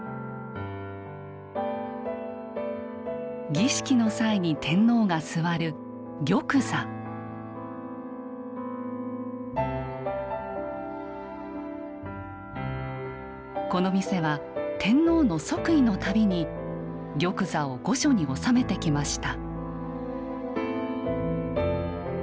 儀式の際に天皇が座るこの店は天皇の即位の度に「玉座」を御所に納めてきました。